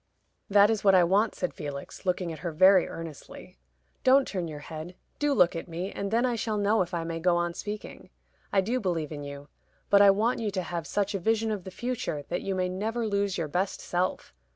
"That is what I want," said Felix, looking at her very earnestly. "Don't turn your head. Do look at me, and then I shall know if I may go on speaking. I do believe in you; but I want you to have such a vision of the future that you may never lose your best self.